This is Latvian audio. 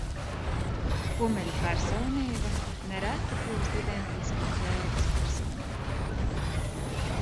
Kumeļa personība nereti kļūst identiska ķēves personībai.